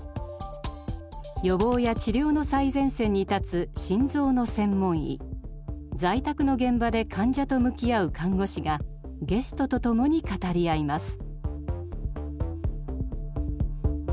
予防や治療の最前線に立つ心臓の専門医在宅の現場で患者と向き合う看護師がゲストと共に語り合います。